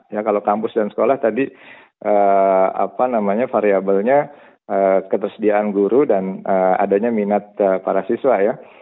ya kalau kampus dan sekolah tadi apa namanya variabelnya ketersediaan guru dan adanya minat para siswa ya